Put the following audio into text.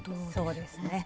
そうですね。